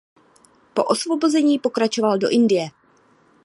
Po osvobození pokračoval do Indie.